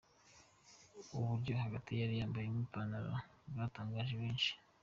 Uburyo Bahati yari yambayemo ipantaro bwatangaje benshi.